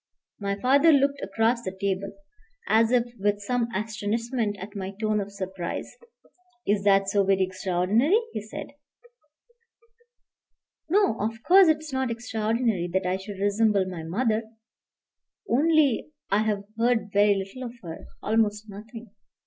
My father looked across the table, as if with some astonishment at my tone of surprise. "Is that so very extraordinary?" he said. "No; of course it is not extraordinary that I should resemble my mother. Only I have heard very little of her almost nothing."